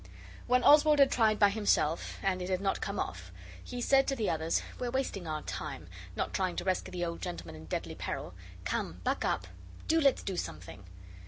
When Oswald had tried by himself and it had not come off, he said to the others, 'We're wasting our time, not trying to rescue the old gentleman in deadly peril. Come buck up! Do let's do something!